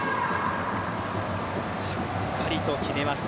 しっかりと決めました。